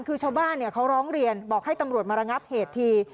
คือชาวบ้านเขาร้องเรียนบอกให้ตำรวจมาระงับเหตุที